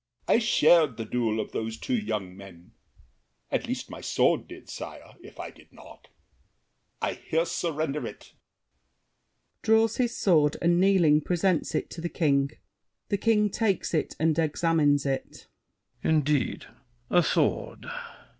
I shared the duel of those two young men— At least my sword did, sire, if I did not. I here surrender it. [Draws his sword and, kneeling, presents it to The King. THE KING (takes it and examines it). Indeed, a sword!